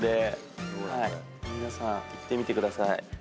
皆さんいってみてください。